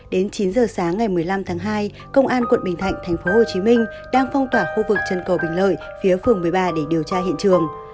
đến chín giờ sáng ngày một mươi năm tháng hai công an quận bình thạnh tp hcm đang phong tỏa khu vực trần cầu bình lợi phía phường một mươi ba để điều tra hiện trường